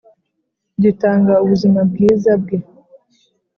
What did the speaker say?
gitanga ubuzima bwiza bwe